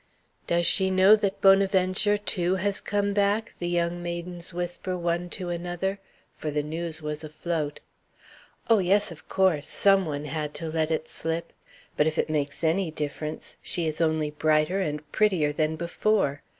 "Does she know that Bonaventure, too, has come back?" the young maidens whisper, one to another; for the news was afloat. "Oh, yes, of course; some one had to let it slip. But if it makes any difference, she is only brighter and prettier than before.